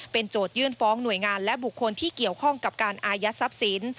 โจทยื่นฟ้องหน่วยงานและบุคคลที่เกี่ยวข้องกับการอายัดทรัพย์สิน